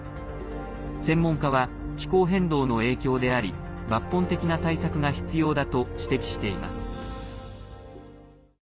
専門家は「気候変動の影響であり抜本的な対策が必要だ」と指摘しています。